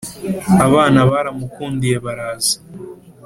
abana baramukundiye baraza